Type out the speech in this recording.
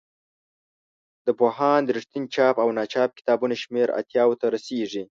د پوهاند رښتین چاپ او ناچاپ کتابونو شمېر اتیاوو ته رسیږي.